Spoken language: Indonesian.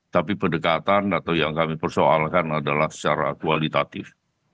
tapi pendekatan atau yang kami persoalkan adalah secara kualitatif